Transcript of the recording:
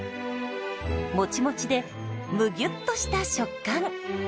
もちもちでむぎゅっとした食感。